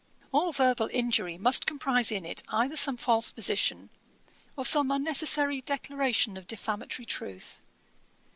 'All verbal injury must comprise in it either some false position, or some unnecessary declaration of defamatory truth.